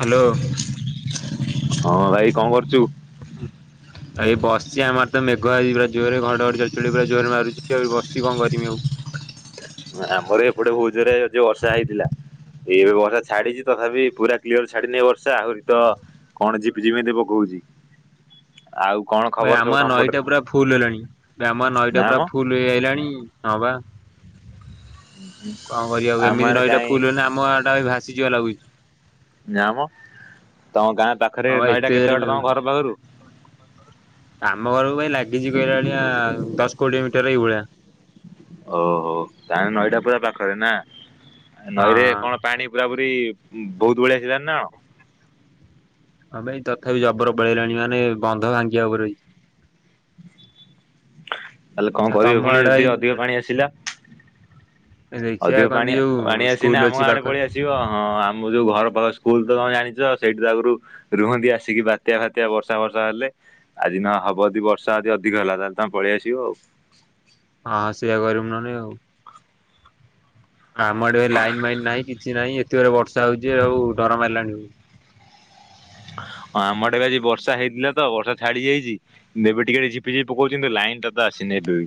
Hello. ହଁ ଭାଇ କଣ କରୁଛୁ? [inaudible] ଆଉ ଏଇ ବସଚି ଆମର ତ ମେଘ ଏଇ ଜୋରରେ ଘଡ ଘଡି ଚଡ ଚଡି ପୁରା ମାରୁଛି ଆ ବସଚି କଣ କରିମି ଆଉ? ଆମର ଏପଟେ ବହୁତ ଜୋରରେ ବର୍ଷା ହେଇଥିଲା। ଏଇବେ ବର୍ଷା ଛାଡିଛି ତଥାପି ପୁରା କ୍ଲିଅର ଛାଡିିନି ବର୍ଷା ଆହୁରି ତ କଣ ଝିପ୍ ଝିପ୍ ଏମିତି ପକଉଛି। ଆଉ କଣ? ଭାଇ ଖବର ସବୁ ଆମ ଗାଁ ତମ ପଟରେ ନଈଟା ପୁରା ଫୁଲ ହେଲାଣି ଆମ ନା ନଈଟା ମ ପୁରା ଫୁଲ ହେଇଆଇଲାଣି ହଁବା। କଣ କରିବାକୁ ଏମିତି ଆମର ନଈଟା କାଇଁ ଫୁଲ ହେଲେ ଆମ ଗାଁଟା ଭାସିଯିବ ଲାଗୁଛି। ନାମ ତମ ଗାଁ ପାଖରେ ହଁ ବା ନଈଟା ଏତେ ଜୋରେ କେତେ ବାଟ ମେଘ ତମ ଘର ପାଖରୁ? ଆମ ଘରକୁ ଭାଇ ଲାଗିଛି କହିଲା ବଳିଆ ଦଶ କୋଡିଏ ମିଟର ଏଇଭଳିଆ। ଓହୋ ତାହେଲେ ନଈଟା ପୁରା ପାଖରେ ନା ନଈରେ ହଁ କଣ ପାଣି ପୁରା ପୁରି ବହୁତ ଭଳିିଆ ସିଲାଣି ନା କଣ? ହଁ ଭାଇ ତଥାପି ଜବର ପଳେଇଲାଣି ମାନେ ବନ୍ଧ ଭାଙ୍ଗିବା ଉପରେ ରହିଛି। ତାହେଲେ କଣ ଆଉ ତମ କରିବ ପୁଣି ଆଡେ ଯଦି ଭାଇ ଅଧିକ ପାଣି ଆସିଲା? ଦେଖିବା ଅଧିକ କହନ୍ତି ପାଣି ଯୋଉ ପାଣି ଆସିନେ ସ୍କୁଲ ଆମ ଅଛି ଗାଁ ଆଡେ ପାଖରେ ପଳିଆସି ବ ହଁ ଆମ ଯୋଉ ଘର ପାଖ ସ୍କୁଲ ତମେ ଜାଣିଛ ସେଇଠି ତ ଆଗରୁ ରୁହନ୍ତି ଆସିକି ବାତ୍ୟା ଫାତ୍ୟା ବର୍ଷା ଫର୍ଷା ହେଲେ। ଆଜି ନ ହବ ଯଦି ବର୍ଷା ଯଦି ଅଧିକ ହେଲା ତାହେଲେ ତମେ ପଳିଆସିବ ଆଉ। ହଁ ସେଇଆ କରିମୁ ନଁ ଏଲେ। ଆମ ଆଡେ ଏ ଲାଇନ୍ ମାଇନ୍ ନାହିଁ କିଛି ନାହିଁ ଏତେ ଜୋରରେ ବର୍ଷା ହଉଛି ଆଉ ଡର ମାଇଲାଣି। ହଁ ଆମ ଆଡେ ଏବେ ଆଜି ବର୍ଷା ହେଇଥିଲା ତ ବର୍ଷା ଛାଡି ଯାଇଛି। ଏବେ ଟିକେ ଝିପି ଝିପି ପକଉଚି କିନ୍ତୁ ଲାଇନ ଟା ତ ଆସିନି ଏବେବି।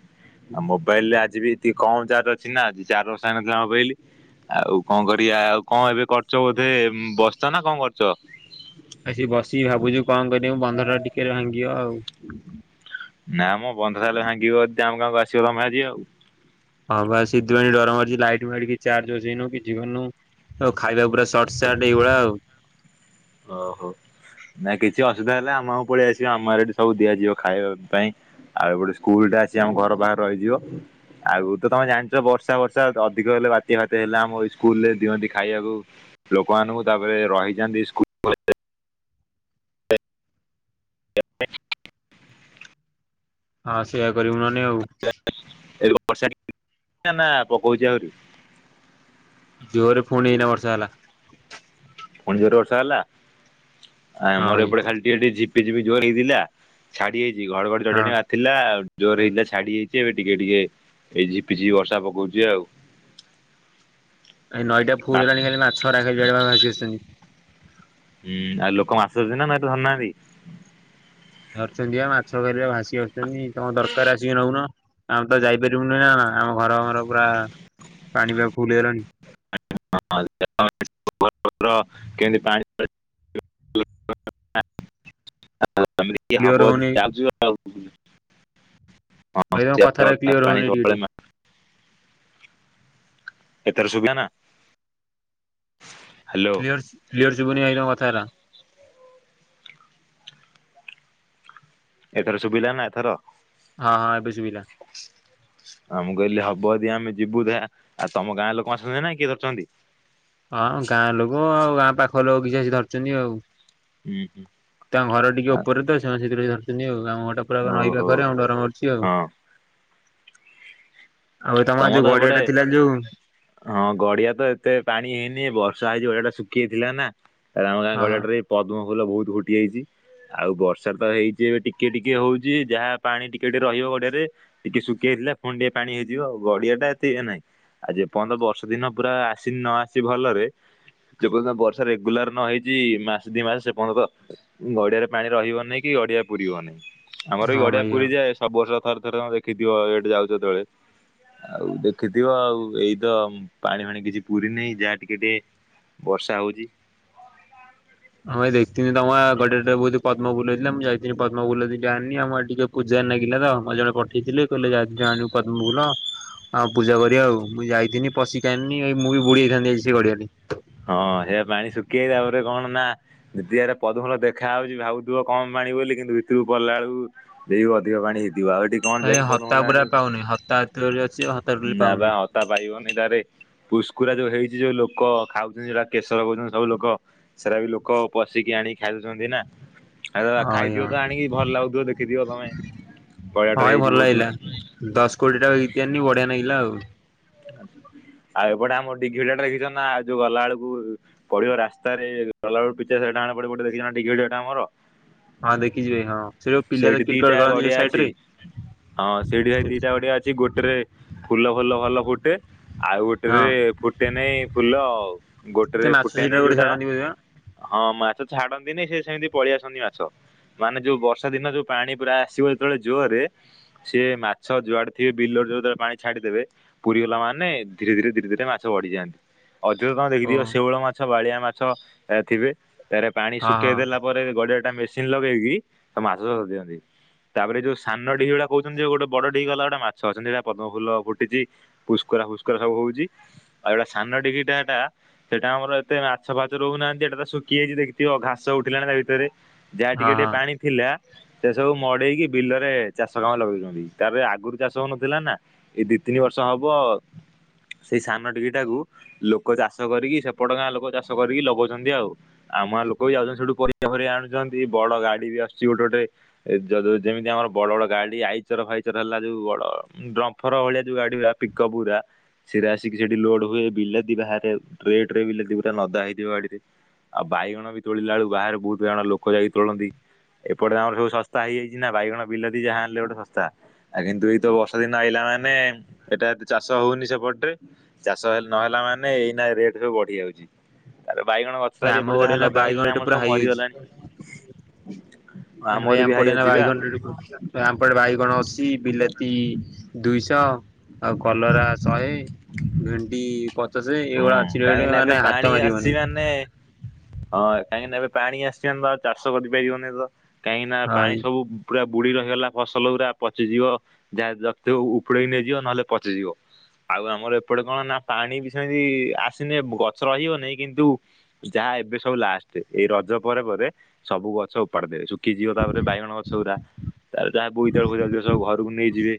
ଆଉ ମୋବାଇଲ ରେ ଆଜି ବି ଏତିକି କମ ଚାର୍ଜ ଅଛି ନା ଚାର୍ଜ ବସା ହେଇ ନଥିଲା ମୋବାଇଲ। ଆଉ କଣ କରିବା ଆଉ କଣ ଏବେ କରୁଚ ବୋଧେ ବସିଚ ନା କଣ କରୁଚ? ଆସିକି ବସିକି ଭାବୁଛି କଣ କରିବି ବନ୍ଧ ଟା ଟିକେ ଭାଙ୍ଗିବ ଆଉ। ନା ମ ବନ୍ଧ ଟା ହେଲେ ଭାଙ୍ଗିବ ଯଦି ଆମ ଗାଁକୁ ଆସିବ ତମେ ଆଜି ଆଉ। ହଁ ବା ସେଇଥିପାଇଁ ଡର ମାରୁଛି ଲାଇଟ ଫାଇଟ ଚାର୍ଜ ବସେଇନୁ କିଛି କରିବୁ। ଆଉ ଖାଇବା ପୁରା ସର୍ଟ ସାର୍ଟ ଏଇଭଳିଆ ଆଉ। ଓହୋ ନାଇ କିଛି ଅସୁବିଧା ହେଲେ ଆମ ଗାଁକୁ ପଳେଇ ଆସିବ ଆମର ଏଠି ସବୁ ଦିଆଯିବ ଖାଇବା ପାଇଁ। ଆଉ ଗୋଟେ ସ୍କୁଲ ଟା ଅଛି ଆମ ଘର ପାଖରେ ରହିଯିବ। ଆଗୁରୁ ତ ତମେ ଜାଣିଛ ବର୍ଷା ବର୍ଷା ଅଧିକ ହେଲେ ବାତ୍ୟା ଫାତ୍ୟା ହେଲେ ଆମ ସ୍କୁଲ ରେ ଦିଅନ୍ତି ଖାଇବାକୁ। ଲୋକମାନଙ୍କୁ ତାପରେ ରହିଥାନ୍ତି ସ୍କୁଲ କ ଲେଜ୍ ରେ [unintelligible] ହଁ ସେଇୟା କରିବୁ ନହ ନେ ଆଉ। [unintelligible] ନା ପକଉଛି ଆହୁରି? ଜୋରରେ ପୁଣି ଏଇନା ବର୍ଷା ହେଲା। ପୁଣି ଜୋର ବର୍ଷା ହେଲା ହଁ ଆମର ଏଇ ଏପଟେ ଖାଲି ଟିକେ ଟିକେ ଝିପ ଝିପିଝିପି ଜୋରେ ହେଇଥିଲା ଛାଡି ଯାଇଛି ଘଡ ଘଡି ହଁ। ଚଡଚଡ଼ି ମା ଥିଲା, ଜୋରେ ହେଇଥିଲା ଛାଡି ଯାଇଛି ଏବେ ଟିକେ ଟିକେ ଏଇ ଝିପିଝିପି ବର୍ଷା ପକଉଛି ଆଉ। ଏ ନଈଟା ଫୁଲ ହେଲାଣି ଖାଲି ମାଛରା ଖାଲି ଇଆଡ଼େ ଭାସି ଆସୁଛନ୍ତି। ହୁଁ ଆଉ ଲୋକ ମାଛ ଧରୁଛନ୍ତି ନା ନାଇ ମାଛ ଧରୁନାହାନ୍ତି? ଧରଚନ୍ତି ପା ମାଛ ଖାଲି ଭାସି ଆସୁଛନ୍ତି ତମର ଦରକାର ଆସିକି ନଉନ। ଆମେ ତ ଯାଇପାରିବୁନି ନା ଆମ ଘର ମର ପୁରା ପାଣି ପା ଫୁଲ ହେଇଗଲାଣି। ହଁ [unintelligible] କେମିତି ପାଣି [unintelligible] କ୍ଲିୟର ହବ ଯଦି ହଉନି ଯାଉଛୁ ଆଉ। ହଁ ଭାଇ ତମ କଥାଟା କ୍ଲିୟର ହଉନି ଟିକେ ଟିକେ। [unintelligible] ଏଥର ଶୁଭିଲା ନା? ହ୍ୟାଲୋ। କ୍ଲିୟର କ୍ଲିୟର ଶୁବୁନି ଭାଇ ତମ କଥାରା। ଏଥର ଶୁଭିଲା ନା ଏଥର। ହଁ ହଁ ଏବେ ଶୁଭିଲା। ଆ ମୁଁ କହିଲି ହବ ଯଦି ଆମେ ଯିବୁ ଦେଖା ଆଉ ତମ ଗାଁ ଲୋକ ଆସୁଛନ୍ତି ନା କିଏ ଧରୁଛନ୍ତି? ହଁ ଗାଁ ଲୋକ ଆଉ ଗାଁ ପାଖ ଲୋକ କିଛି ଆସି ଧରୁଛନ୍ତି ଆଉ। ତାଙ୍କ ଘର ଟିକେ ଉପରେ ତ ସେମାନେ ସେଥିପାଇଁ ଧରୁଛନ୍ତି ଆଉ ଆମ ଘରଟା ପୁରା ପା ନଇ ଓହୋ ପାଖରେ ଆମକୁ ଡର ମାଡ଼ୁଛି ଆଉ। ହଁ ଆଉ ତମ ଗାଁ ରେ ତମର ଯୋଉ ତ ଗଡିଆ ସେପଟେ ଟା ଥିଲା ଯୋଉ ହଁ ଗଡିଆ ତ ଏତେ ପାଣି ହେଇନି ବର୍ଷା ହେଇଛି ଗଡିଆ ଟା ଶୁଖି ଯାଇଥିଲା ନା ଆମ ଗାଁ ହଁ ଗଡିଆ ଟାରେ ପଦ୍ମ ଫୁଲ ବହୁତ ଫୁଟିଯାଇଛି। ଆଉ ବର୍ଷା ତ ହେଇଛି ଏବେ ଟିକେ ଟିକେ ହଉଛି ଯାହା ପାଣି ଟିକେ ଟିକେ ରହିବ ଗଡିଆରେ ଟିକେ ଶୁଖି ଯାଇଥିଲା ପୁଣି ଟିକେ ପାଣି ହେଇ ଯିବ, ଆଉ ଗଡିଆ ଟା ଏତେ ଇଏ ନାହିଁ ଆ ଯେ ପର୍ଯ୍ୟନ୍ତ ବର୍ଷା ଦିନ ପୁରା ଆସିନି ନ ଆସି ଭଲରେ ଯେପର୍ଯ୍ୟନ୍ତ ବର୍ଷା ରେଗୁଲାର ନ ହେଇଛି ମାସେ ଦି ମାସ ସେ ପର୍ଯ୍ୟନ୍ତ ଗଡିଆରେ ପାଣି ରହିବ ନି କି ଗଡିଆ ପୁରିବନି। ଆମର ଏଇ ହଁ ଗଡିଆ ଭାଇ ହଁ। ପୁରୀ ଯାଏ, ସବୁ ବର୍ଷ ଥରେ ଥରେ ଦେଖିଥିବ ଏଇଠି ଯାଉଛ ଯେତେବେଳେ। ଆଉ ଦେଖିଥିବ ଆଉ ଏଇତ ପାଣି ଫାଣି କିଛି ପୁରିନି ଯାହା ଟିକେ ଟିକେ ବର୍ଷା ହଉଛି। ହଁ ଭାଇ ଦେଖଥିନି ତମ ଗାଁ ଗଡିଆ ଟାରେ ବହୁତ ପଦ୍ମଫୁଲ ହେଇଥିଲା, ମୁଁ ଯାଇଥିଲି ପଦ୍ମାଫୁଲ ଦିଟା ଆଣିଲି, ଆମ ଆଡେ ଟିକେ ପୂଜାରେ ନାଗିଲା ତ ମତେ ଜଣେ ପଠେଇଥିଲେ କହିଲେ ଯା ଟିକେ ଆଣିବୁ ପଦ୍ମଫୁଲ। ଆଉ ପୂଜା କରିବା ଆଉ ମୁଁ ଯାଇଥିନି ପଶିକି ଆଣିନି ଭାଇ ମୁଁ ବି ବୁଡି ଯାଇଥାନ୍ତି ଆଜି ସେ ଗଡିଆରେ। ହଁ ସେ ପାଣି ଶୁଖି ଯାଇଛି ନା ତା ପରେ କଣ ନା ଦି ଦିଆରେ ପଦ୍ମଫୁଲ ଦେଖା ହଉଛି ଭାବୁଥିବ କମ ପାଣି ବୋଲି କିନ୍ତୁ ଭିତରୁକୁ ପଲା ବେଳକୁ ଦେଇବ ଅଧିକ ପାଣି ହେଇଥିବ ଆଉ ହେଟି ଭାଇ ହତା ପୁରା ପାଉନି ହତା ଏତେ ଯୋରେ ଅଛି ହତା ଟୋଟାଲି ନା ବା ପାଉନି। ହତା ପାଇବନି ତାରେ ପୁସ୍କୁରା ଯୋଉ ହେଇଛି ଯୋଉ ଲୋକ ଖାଉ ସେଟା କେଶର କହୁଛନ୍ତି ସବୁ ଲୋକ ସେରା ବି ଲୋକ ପଶିକି ଆଣିକି ଖାଇ ଦଉଛନ୍ତି ନା। ଆ ହଁ ଭାଇ ହଁ। ଖାଇଥିବ ତ ଆଣିକି ଭଲ ଲାଗୁଥିବ ଦେଖିଥିବ ତମେ ହଁ ଗଡ଼ିଆଟାରେ ଭାଇ ହେଇଛିି ଭଲ ଲାଗିଲା। ବହୁତ। ଦଶ କୋଡିଏଟା ଘିତି ଆନି ବଢିଆ ନାଗିଲା ଆଉ। ଆଉ ଏପଟେ ଆମ ଡିିଘି ଗଡ଼ିଆ ଟା ଦେଖିଛ ନା ଆଉ ଯୋଉ ଗଲା ବେଳକୁ ପଡିବ ରାସ୍ତାରେ ଗଲା ବେଳକୁ [unintelligible] ଡାହାଣ ପଟେ ଦେଖିଚ ନା ପଡିବ ଡିଘି ଗଡିଆ ଟା ଆମର। ହଁ ଦେଖିଚି ଭାଇ ହଁ ସେ ଯୋଉ ପିଲା ତ ସେଇଠି ଦିଟା କ୍ରିକେଟ ଖେଳନ୍ତି ଗଡିଆ ଯୋଉ ଅଛି ସାଇଟରେ। ହଁ ସେଇଠି ଭାଇ ଦିଟା ଗଡିଆ ଅଛି, ଗୋଟେରେ ଫୁଲ ଫୁଲ ଭଲ ଫୁଟେ। ଆଉ ହଁ ଗୋଟେରେ ଫୁଟେ ନେଇ ଫୁଲ ସେ ଗୋଟେରେ ମାଛ ସେଇଟା ଫୁଟେନେଇ ଗୋଟେ ଯୋଉଟା ଛାଡନ୍ତି ବୋଧେ ବା ହଁ ମାଛ ଛାଡନ୍ତିନି ସେ ସେମିତି ପଳେଇଆସନ୍ତି ମାଛ। ମାନେ ଯୋଉ ବର୍ଷା ଦିନ ଯୋଉ ପାଣି ପୁରା ଆସିବ ଯେତେବେଳେ ଜୋରରେ ସିଏ ମାଛ ଯୁଆଡେ ଥିବେ ବିଲରେ ଯୋଉଦିନ ପାଣି ଛାଡିଦେବେ ପୁରୀ ଗଲା ମାନେ ଧୀରେ ଧୀରେ ଧୀରେ ଧୀରେ ମାଛ ବଢିଯାଆନ୍ତି, ଅଧିକ ତମେ ଓ ଦେଖିଥିବ ସେଉଳ ମା ଛ ବାଳିଆ ମାଛ ଥିବେ ତାରେ ପାଣି ହଁ ଶୁଖେଇ ହଁ ଦେଲା ତା ପରେ ଗଡିଆ ଟା ମେସିନ ଲଗେଇକି ତ ମାଛ ଚାଷ ସ ଦିଅନ୍ତି। ତାପରେ ଯୋଉ ସାନ ଡି ଯୋଉଟା କହୁଛନ୍ତି ଯୋଉ ଗୋଟେ ବଡ ଡିଗି ଗଲା ଗୋଟେ ମାଛ ଅଛନ୍ତି ସେଇଟା ପଦ୍ମ ଫୁଲ ଫୁଟିଛି। ପୁସ୍କୁରା ଫୁସ୍କୁରା ସବୁ ହଉଛି ଆଉ ଏଇଟା ସାନ ଟିଗି ଟା ଏଟା ସେଟା ଆମର ଏତେ ମାଛ ଫାଛ ରହୁନାହାନ୍ତି ଏଟା ତା ଶୁଖିଯାଇଛି ଦେଖିଥିବ ଘାସ ଉଠିଲାଣି ତା ଭିତରେ ଯାହା ହଁ ଟିକେ ଟିକେ ହଁ। ପାଣି ଥିଲା ସେ ସବୁ ମଡେଇକି ବିଲରେ ଚାଷ କାମ ଲଗେଇଦୋଉଛନ୍ତି, ତାର ଆଗରୁ ଚାଷ ହଉନଥିଲା ନା ଏଇ ଦି ତିନି ବର୍ଷ ହବ ଆଉ। ସେଇ ସାନ ଡିଗି ଟାକୁ ଲୋକ ଚାଷ କରିକି ସେପଟ ଗାଁ ଲୋକ ଚାଷ କରିକି ଲଗଉଛନ୍ତି ଆଉ। ଆମ ଗାଁ ଲୋକ ବି ଯାଉଛନ୍ତି ସେଇଠୁ ପରୀବା ଫରିବା ଆଣୁଛନ୍ତି, ବଡ ଗାଡି ବି ଆସୁଛି ଗୋଟେ ଗୋଟେ ଏ ଯ ଯେମିତି ଆମର ବଡ ବଡ ଗାଡି ଆଇଚର ଫାଇଚର ହେଲା ଯୋଉ ବଡ ଡମ୍ଫର ଭଳିଆ ଉ ଗାଡି ଉରା ପିକଅପ ଉରା ସେରା ଆସିକି ସେଠି ଲୋଡ ହୁଏ, ବିଲାତି ବାହାରେ ଟ୍ରେ ଟ୍ରେ ବିଲତି ପୁରା ନଦା ହେଇଥିବ ଗାଡିରେ। ଆଉ ବାଇଗଣ ବି ତୋଳିଲା ବଳୁ ବାହାରେ ବହୁତ ଜଣ ଲୋକ ଯାଇକି ତୋଳନ୍ତି। ଏପଟ ତ ଆମର ସବୁ ସସ୍ତା ହେଇଯାଇଛି ନା ବାଇଗଣ ବିଲତି ଯାହା ଆଣିଲେ ଗୋଟେ ଶସ୍ତା। ଆ କିନ୍ତୁ ଏଇତ ବର୍ଷା ଦିନ ଆଇଲା ମାନେ ଏଟା ଏତେ ଚାଷ ହଉନି ସେପଟରେ ଚାଷ ନହେଲା ମାନେ ଏଇନା ରେଟ ସବୁ ବଢି ଯାଉଛି। ଆ ବାଇଗଣ ଗ ଆମ ଓଡିଆ ନା ବାଇଗଣ ରେଟ ପୁରା ହାଇ ଅଛି। ମୁଁ କହିନି ଭାଇ ଆମର ବି ଆମ ହାଇ ପଟେ ଏଇନା ଅଛି ବା ବାଇଗଣ ରେଟ୍ ଆମପଟେ ବାଇଗଣ ଅଶି, ବିଲାତି ଦୁଇଶହ। ଆଉ କଲରା ଶହେ ଭେଣ୍ଡି ପଚ ତ ସେ ଏଇଭଳିଆ ଅଛି ରେଟ୍ ମାନେ ହାତ ମାରି ହୋଉନି। ନେ ହଁ କାହିଁକିନା ଏବେ ପାଣି ଆସି ତ ଆଉ ଚାଷ କରିପାରିବନି ତ କାହିଁକିନା ହଇ ପାଣି ସବୁ ପୁରା ବୁଡି ରହିଗଲା ଫସଲ ଉରା ପଚିଯିବ ଯାହା ରଖି ଥିବୁ ଉପୁଡେଇକି ନେଇଯିବ ନହେଲେ ପଚିଯିବ। ଆଉ ଆମର ଏପଟେ କଣ ନା ପାଣି ବି ସେମିତି ଆସିନି ଗଛ ରହିବନହି କିନ୍ତୁ ଯାହା ଏବେ ସବୁ ଲାଷ୍ଟ ଏଇ ରଜ ପରେ ପରେ ସବୁ ଗଛ ଉପାଡି ଦେବେ ସବୁ। ଶୁଖିଯିବ ତାପରେ ବାଇଗଣ ଗଛ ଗୁରା ତାରେ ଯାହା ବୋଇତାଳୁ ହଉଥିବ ସବୁ ଘରକୁ ନେଇଯିବେ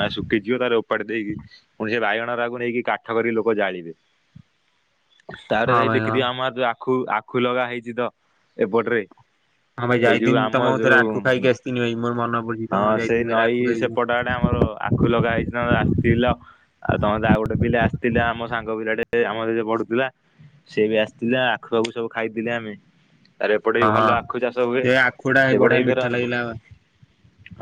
ନା ଶୁଖିଯିବ ତାର ଉପାଡି ଦେଇକି ପୁଣି ସେ ବାଇଗଣରାକୁ ନେଇକି କାଠ କରିକି ଲୋକ ଜାଳିବେ। [unintelligible] ତାପରେ ହଁ ଖାଇ ଭାଇ ହଁ ଦେଖିଥିବ ଆମର ଯେ ଆଖୁ ଆଖୁ ଲଗା ହେଇଛି ତ ଏପଟରେ ହଁ ଭାଇ ଏଇ ଯୋଉ ଯାଇଥିନି ତମ ଆମ ଥରେ ଯୋଉ ଆଖୁ ଖାଇକି ଆସିଥିନି ଭାଇ ମୋର ମନେ ପଡୁଛି ହଁ ତମ ସେଇ ଯାଇଥିନି ଥରେ ନଈ ଆଖୁ ଖାଇକି ସେପଟ ଆଡେ ଆମର ଆ ଖୁ ଲଗା ହେଇଛି ତମେ ଆସିଲ। ଆଉ ତମ ତା ଆଉ ଗୋଟେ ପିଲା ଆସିଥିଲା ଆମ ସାଙ୍ଗ ପିଲାଟେ ଆମ ସହିତ ପଢୁଥିଲା ସେଏ ବି ଆସିଥିଲା ଆଖୁପଖୁ ସବୁ ଖାଇଥିଲେ ଆମେ ତାରେ ଏପଟେ ହଁ ବି ହଁ ଭଲ ଆଖୁ ଚାଷ ହୁଏ ସେ ଆଖୁଡା ହେଇ ସେପଟେ ଏଇଥର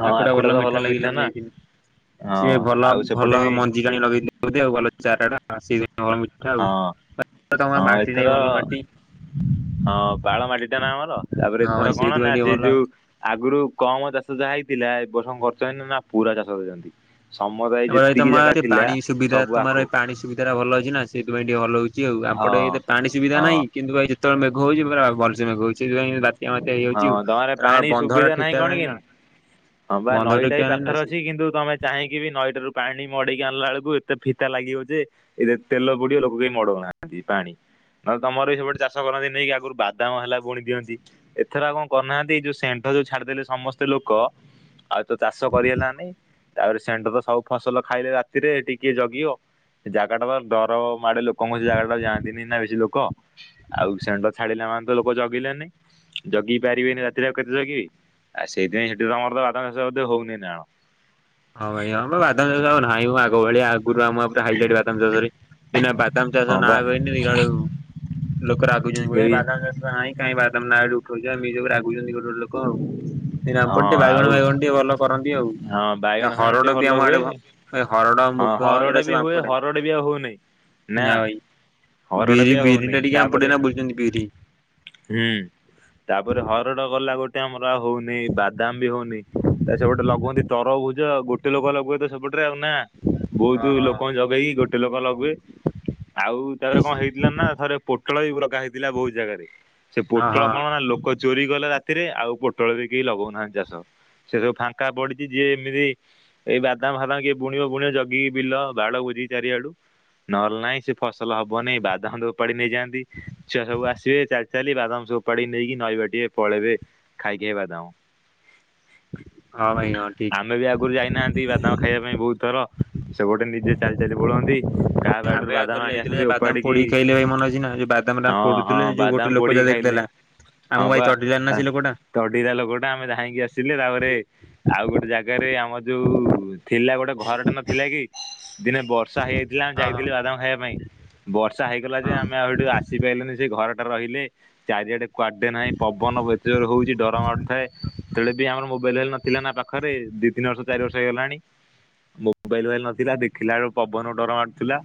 ଆଖୁଟା ଭଲ ମିଠା ଲାଗିଲା ମୁଁ ଯାଇଥିଲି ହଁ ସିଏ ଭଲ ଆଉ ସେପଟେ ଭଲ ମ ବି ମଞ୍ଜିକି ଆଣି ଲଗେଇଦଉଛନ୍ତି ଆ ଭଲ ଚାରାଟା ସେଇଥିପାଇଁ ଭଲ ମିଠା ଆଉ ହଁ ତମ ହଁ ମାଟି ଏଥର ଟାବି ଭଲ ମାଟି। ହଁ ପାଳ ମାଟି ଟା ନା ଆମର ତାପରେ ହଁ ଏଥର ଭାଇ କଣ ସେଇଥିପାଇଁ ନା ଟିକେ ସେ ଭଲ। ଯୋଉ ଆଗରୁ କମ ଚାଷ ଯାହା ହେଇଥିଲା ଏ ବର୍ଷ କରିଛନ୍ତି ନା ପୁରା ଚାଷ କରିଛନ୍ତି। ସମଦାୟ ଆଉ ଭାଇ ଯେତିକି ତମ ଜାଗା ଆରେ ଥିଲା ପାଣି ସୁବିଧା ସବୁ ଆଖୁ ପାଣି ସୁବିଧା ଭଲ ଅଛି ନା ସେଥିପାଇଁ ଟିକେ ଭଲ ହଉଛି ଆଉ ହଁ ଆପଟେ ଏତ ପାଣି ସୁବିଧା ହଁ ନାହିଁ କିନ୍ତୁ ଭାଇ ଯେ ଯେତେବେଳେ ମେଘ ହଉଛି ପୁରା ଭଲ ସେ ମେଘ ହଉଛି ଯେମିତି ବା ଏ ମତେ ହଁ ହେଇଯାଉଛି ତମର ଆଉ ପାଣି ଆମ ବନ୍ଧ ଟା ସୁବିଧା ଠିକ ଠାକ କଣ ନାହିଁ କେମିତି? ନା ହଁ ବା ବନ୍ଧ ଠିକ ନଈଟା ବି ଠାକ ନାହିଁ ନା ପାଖରେ ସେ ଅଛି କିନ୍ତୁ ତମେ ଚାହିଁକି ବି ନଈଟାରୁ ପାଣି ମଡେଇକି ଆଣିଲା ବେଳକୁ ଏତେ ଫିତା ଲାଗିବ ଯେ ଏବେ ତେଲ ପଡିିବ ଲୋକ କେହି ମଡଉନାହାନ୍ତି ପାଣି ନହଲେ ତମର ବି ସେପଟେ ଚାଷ କରନ୍ତି ନେଇକି ଆଗରୁ ବାଦାମ ହେଲା ଫୁଣି କେମିତି? ଏଥର ଆଉ କଣ କରୁନାହାନ୍ତି ଏଇ ଯୋଉ ଷେଣ୍ଢ ଯୋଉ ଛାଡିଦେଲେ ସମସ୍ତେ ଲୋକ ଆଉ ତ ଚାଷ କରିହେଲାନି। ତାପରେ ଷେଣ୍ଢ ତ ସବୁ ଫସଲ ଖାଇଲେ ରାତିରେ ଟିକେ ଜଗିବ ଜାଗାଟା ତ ଡର ମାଡେ ଲୋକଟା କଣ ସେ ଜାଗାଟା ଯାଆନ୍ତିନି ନା ବେଶୀ ଲୋକ ଆଉ ଷେଣ୍ଢ ଛାଡିଲା ମାନେ ତ ଲୋକ ଜଗିଲେନି ଜଗି ପାରିବେନି ରାତିରେ କେତେ ଜଗିବେ? ଆଉ ସେଇଥି ପାଇଁ ସେଠି ତମର ତ ବାଦାମ ମଧ୍ୟ ହଉନି ନା ଆଉ? ହଁ ଭାଇ ହଁ ବାଦାମ ଚାଷ ଆଉ ନାଇଁ ମ ଆଗ ଭଳିଆ ଆଗରୁ ଆ ହାଇଲାଇଟ ବାଦାମ ଚାଷରେ ଏଇନା ବା ବାଦାମ ହଁ ଚାଷ ନା ବା କହିନେ ଲୋକ ରାଗୁଛନ୍ତି ଏଇ ବାଦାମ ଚାଷ ନାହିଁ। କାଇଁ ବାଦାମ ନା ଏଠି ଉଠାଉଛ ଆଉ ରାଗୁଛନ୍ତି ଗୋଟେ ଗୋଟ ଲୋକ ଆଉ ହଁ ରାମପଟେ ବାଇଗଣ ଆଉ ବାଇଗଣ ଟିକେ ଭଲ କରନ୍ତି ଆଉ ହଁ ବାଇଗଣ ଫାଇଗଣ ହରଡ ଟିକେ ବି ଭଲ ଆମ ହୁଏ ଆଡେ ଭ ହରଡ ହଁ ମୁଗ ହରଡ଼ ଏରା ବି ସବୁ ହୁଏ ଆମଆଡେ ହରଡ଼ ବି ଆଉ ହଉନାହିଁ। ନା ଭାଇ ହରଡ଼ ବିରି ବି ଆଉ ହଉନି ବିରିଟା ଟିକେ ଆମପଟେ ତାପରେ ନା ବୁଲୁଛନ୍ତି ବିରି ହୁଁ ତାପରେ ହରଡ ଗଲା ଗୋଟେ ଆମର ହଉନି ବାଦାମ ବି ହଉନି। ତା ସେପଟେ ଲଗୁନ୍ତି ତରଭୁଜ ଗୋଟେ ଲୋକ ଲଗୁଏ ତ ସେପଟେ ପୁରା ନା ହଁ ବହୁତ ହଁ ଲୋକ ଜଗେଇକି ଗୋଟ ସେ ଲୋକ ଲଗୁଏ ଆଉ ତାପରେ କଣ ହେଇଥିଲା ନା ଥରେ ପୋଟଳ ବି ଲଗା ହେଇଥିଲା ବହୁତ ଜାଗାରେ ସେ ହଁ ପୋଟଳ ହଁ। କଣ ନା ଲୋକ ଚୋରି କଲେ ରାତିରେ ଆଉ ପୋଟଳ ବି କେହି ଲଗଉନାହାନ୍ତି ଚାଷ ସେ ସବୁ ଫାଙ୍କା ପଡିଛି ଯିଏ ଏମିତି ଏଇ ବାଦାମ ଫାଦାମ କିଏ ବୁଣିବ ବୁଣିବ ଜଗିକି ବିଲ ବାଡ ବୁଜିକି ଚାରିଆଡୁ ନହେଲେ ନାହିଁ ସେ ଫସଲ ହବନିଁ ବାଦାମ୍ ତ ଉପାଡି ନେଇଯାଆନ୍ତି ଛୁଆ ସବୁ ଆସିବେ ଚା ଚାଲି ବାଦାମ ସବୁ ଓପାଡି ନେଇକି ନହବା ଟିକେ ପଳେଇବେ ଖାଇ ଖାଇକି ବାଦାମ। ହଁ ଭାଇ ହଁ ଠିକ। ଆମେ ବି ଆଗରୁ ଯାଇନାହାନ୍ତି ବାଦାମ ଖାଇବା ପାଇଁ ବହୁତ ଥର ସେ ଗୋଟେ ନିଜେ ଚାଲି ଚାଲି ପଳାନ୍ତି। କାହା ବାଡିରୁ ଆମେ ବା ବାଦାମ ଥରେ ଆଣି ଆସନ୍ତି ଯାଇଥିଲେ ବାଦାମ ଓପାଡିକି ପୋଡିକି ଖାଇଲେ ଭାଇ ମନେ ଅଛି ନା ଯୋଉ ବାଦାମ ଟା ହଁ ହଁ ପୋଡୁଥିଲେ ଯୋଉ ବାଦାମ ଗୋଟେ ଲୋକ ଯା ପୋଡ଼ିକି ଖାଇଲେ ଦେଖିଦେଲା ହଁ ଆମକୁ ଭାଇ ବା ତଡ଼ିଲାନି ନା ସେ ଲୋକଟା। ତଡିଲା ଲୋକଟା ଆମେ ଧାଇଁକି ଆସିଲେ ତାପରେ ଆଉ ଗୋଟେ ଜାଗାରେ ଆମର ଯୋଉ ଥିଲା ଗୋଟେ ଘରଟା ନଥିଲା କି? ଦିନେ ବ ସା ହେଇଯାଇଥିଲା ହଁ ଯାଇଥିଲି ବାଦାମ ଖାଇବା ପାଇଁ। ବର୍ଷା ହେଇଗଲା ଯେ ଆମେ ଆଉ ଏଇଠୁ ଆସି ପାଇଲୁନି ସେ ଘର ଟା ରହିଲେ ଚାରିଆଡେ କୁଆଡେ ନାହିଁ ପବନ ଏତେ ଜୋର ହଉଛି ଡର ମାଡୁଥାଏ ତେବେଳେ ବି ଆମ [unintelligible] ନଥିଲା ନା ପାଖରେ ଦିଇ ତିନି ବର୍ଷ ଚାରି ବର୍ଷ ହେଇଗଲାଣି। ମୋବାଇଲବାଇଲ ନଥିଲା ଦେଖିଲା ବେଳୁ ପବନ ଡର ମାଡୁଥିଲା।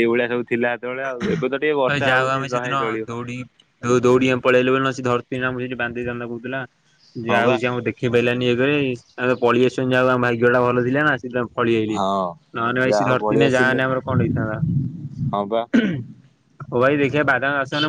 ଏଇଭଳିଆ ସବୁ ଥିଲା ସେତେବେଳେ ଆଉ ଏବେ ତ ଟିକେ କ ବର୍ଷା ଯାହଉ ହଉଛି ଆମେ ରହେ ସେଦିନ ଚଳିବ ଦୌଡି ଉ ଦଉଡି ପଳେଇଲେ ଧର ସେଠିବାନ୍ଧିଥାନ୍ତ କଉଥିଲା ହଁ ଯ ବା ଯଉଛି ଆ ଦେଖି ଆଖି ପାଇଲାନି ଇଏ ଆଉ ତ ପଳେଇ ଆସଛନ୍ତି ଯାହା ଆମ ଭାଗ୍ୟ ଟା ଭଲ ଥିଲା ନା। ଫଳି ଯଇଲି ହଁ ନହେଲେ ଯାହା ଭାଇସ ହଉ ପଳେଇ ଧରଥେ ଆସିଲେ ଯାହାନେ ଆମର ଗୋଟେ କଣ ହେଇଥାନ୍ତା। ହଁ ବା। ଓ ଭାଇ ଦେଖିବା ବାଦାମ ଆସନ